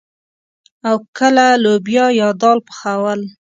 او کله لوبيا يا دال پخول.